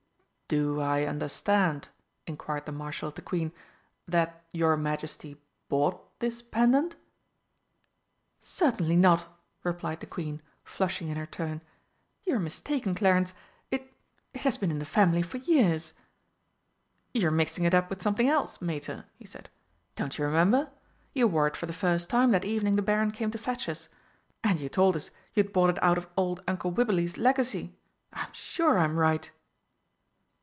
"Do I understand," inquired the Marshal of the Queen, "that your Majesty bought this pendant?" "Certainly not," replied the Queen, flushing in her turn. "You're mistaken, Clarence it it has been in the family for years!" "You're mixing it up with something else, Mater," he said. "Don't you remember? You wore it for the first time that evening the Baron came to fetch us. And you told us you'd bought it out of old Uncle Wibberley's legacy. I'm sure I'm right!"